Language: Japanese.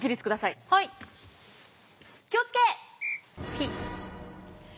ピッ。